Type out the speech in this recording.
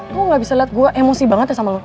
gue gak bisa lihat gue emosi banget ya sama lokal